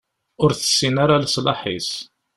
Ur tessin ara leṣlaḥ-is.